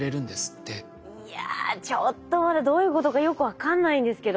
いやちょっとまだどういうことかよく分かんないんですけど。